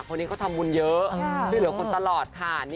คนนี้เขาทำบุญเยอะช่วยเหลือคนตลอดค่ะ